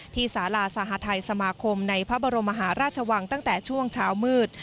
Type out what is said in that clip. สาราสหทัยสมาคมในพระบรมมหาราชวังตั้งแต่ช่วงเช้ามืด